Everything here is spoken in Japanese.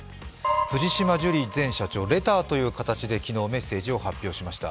藤島ジュリー前社長、レターという形で昨日、メッセージを発表しました。